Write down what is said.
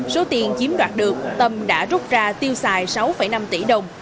số tiền chiếm đoạt được tâm đã rút ra tiêu xài sáu năm tỷ đồng